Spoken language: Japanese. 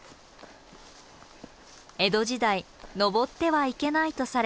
江戸時代登ってはいけないとされていた眉山。